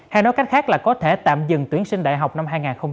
hay nói cách khác là có thể tạm dừng tuyển sinh đại học năm hai nghìn một mươi chín